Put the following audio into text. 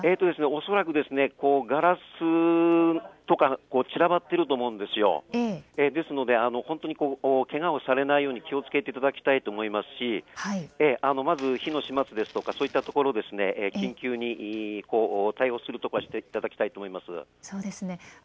恐らくガラスとか散らばっていると思うので本当にけがをされないように気をつけていただきたいと思いますし、まず火の始末とかそういったところ、緊急に対応するところはしていただきたいと思います。